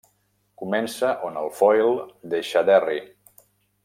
Comença on el Foyle deixa Derry.